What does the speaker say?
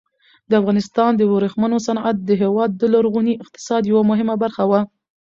د افغانستان د ورېښمو صنعت د هېواد د لرغوني اقتصاد یوه مهمه برخه وه.